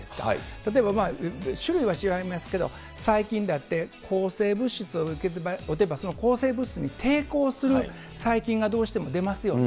例えば、種類は違いますけど、細菌だって抗生物質を打てば、その抗生物質に抵抗する細菌がどうしても出ますよね。